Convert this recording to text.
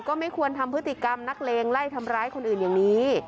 ก็ไม่ควรทำพฤติกรรมนักเลงไล่ทำร้ายคนอื่นอย่างนี้